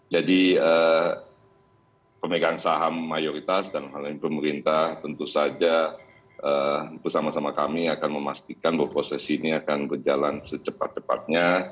jadi pemegang saham mayoritas dan pemerintah tentu saja bersama sama kami akan memastikan bahwa proses ini akan berjalan secepat mungkin